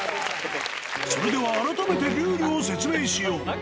それでは改めてルールを説明しよう。